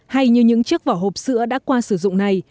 hay như những chiếc vỏ hộp sữa đã qua sử dụng này